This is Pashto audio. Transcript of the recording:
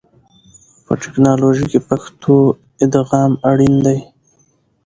په ټکنالوژي کې پښتو ادغام اړین دی.